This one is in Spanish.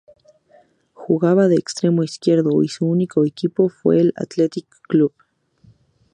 Jugaba de extremo izquierdo y su único equipo fue el Athletic Club.